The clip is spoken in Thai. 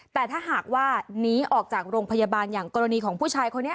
แต่ถ้าหากว่าหนีออกจากโรงพยาบาลอย่างกรณีของผู้ชายคนนี้